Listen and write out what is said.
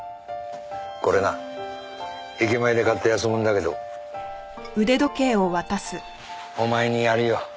これな駅前で買った安物だけどお前にやるよ。